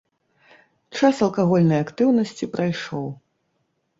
Час алкагольнай актыўнасці прайшоў.